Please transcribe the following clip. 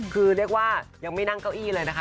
คือเรียกว่ายังไม่นั่งเก้าอี้เลยนะคะ